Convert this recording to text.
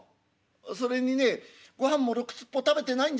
それにねごはんもろくすっぽ食べてないんじゃないか？